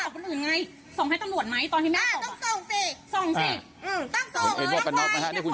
คุณเห็นแม่คุณตกที่เป็นคนที่ดีทำไมไม่ห้าม